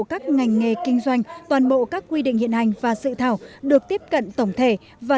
các ngành nghề kinh doanh toàn bộ các quy định hiện hành và sự thảo được tiếp cận tổng thể và